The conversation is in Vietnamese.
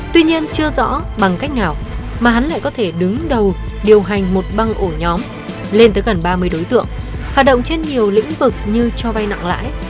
tuy nhiên chưa rõ bằng cách nào mà hắn lại có thể đứng đầu điều hành một băng ổ nhóm lên tới gần ba mươi đối tượng hoạt động trên nhiều lĩnh vực như cho vay nặng lãi